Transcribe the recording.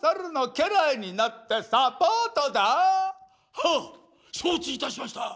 「はっ承知いたしました。